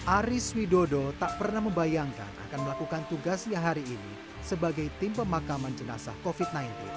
aris widodo tak pernah membayangkan akan melakukan tugasnya hari ini sebagai tim pemakaman jenazah covid sembilan belas